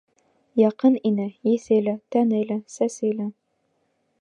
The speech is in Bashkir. Яҡын ине, еҫе лә, тәне лә, сәсе лә.